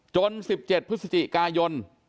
๑๗พฤศจิกายน